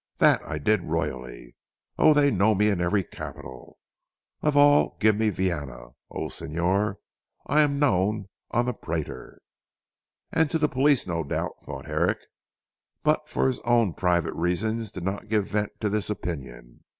That I did royally. Oh, they know me in every capital. Of all, give me Vienna. Oh, Señor, I am known on the Prater." "And to the police no doubt," thought Herrick; but for his own private reasons did not give vent to this opinion.